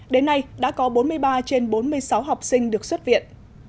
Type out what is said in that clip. đến nay đã có bốn mươi ba trên bốn mươi sáu học sinh được xuất viện